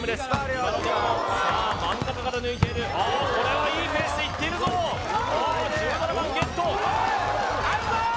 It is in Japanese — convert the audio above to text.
今のところさあ真ん中から抜いているおっこれはいいペースでいっているぞおっ１７番ゲット